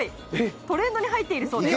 トレンドに入っているそうです。